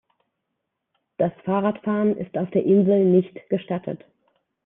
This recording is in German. Das Fahrradfahren ist auf der Insel nicht gestattet.